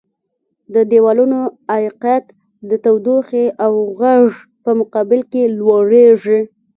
د دیوالونو عایقیت د تودوخې او غږ په مقابل کې لوړیږي.